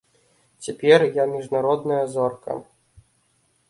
Цяпер я міжнародная зорка.